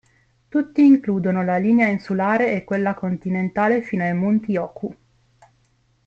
Tutti includono la linea insulare e quella continentale fino ai Monti Oku.